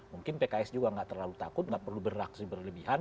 mungkin pks juga nggak terlalu takut nggak perlu beraksi berlebihan